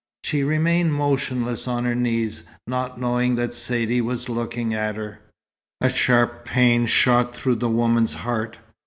She remained motionless on her knees, not knowing that Saidee was looking at her. A sharp pain shot through the woman's heart.